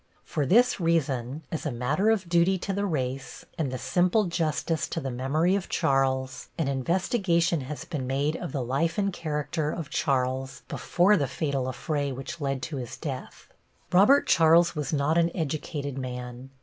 For this reason, as a matter of duty to the race, and the simple justice to the memory of Charles, an investigation has been made of the life and character of Charles before the fatal affray which led to his death. Robert Charles was not an educated man.